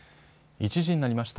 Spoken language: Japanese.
１時になりました。